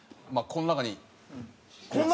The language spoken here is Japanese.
この中に。